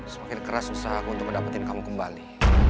semakin keras usaha aku untuk dapetin kamu kembali